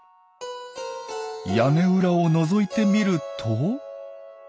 屋根裏をのぞいてみると。